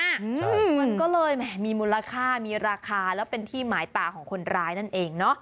มันก็เลยแหมมีมูลค่ามีราคาแล้วเป็นที่หมายตาของคนร้ายนั่นเองเนอะ